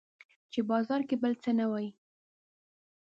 چې بازار کې بل څه نه وي